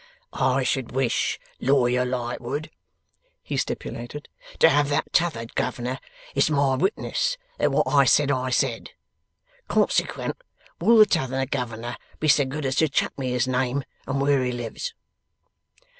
'I should wish, Lawyer Lightwood,' he stipulated, 'to have that T'other Governor as my witness that what I said I said. Consequent, will the T'other Governor be so good as chuck me his name and where he lives?